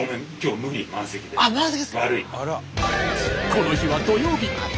この日は土曜日。